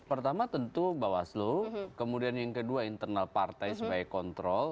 pertama tentu bawaslu kemudian yang kedua internal partai sebagai kontrol